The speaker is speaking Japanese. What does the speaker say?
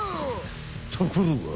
ところが。